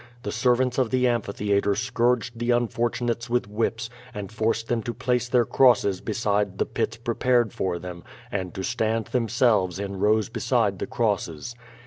The servants of the amphi theatre scourged the unfortunates with whips, and forced them to place their crosses beside the pits prepared for them, and to stand themselves in rows beside the crosses.